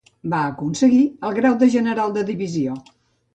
Va aconseguir el grau de general de Divisió.